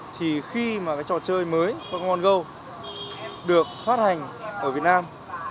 thì khi mà cái trò chơi mới pokemon go được phát hành ở việt nam